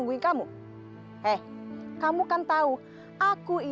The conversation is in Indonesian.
ini takut bu